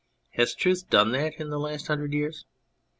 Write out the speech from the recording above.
Has truth done that in the last hundred years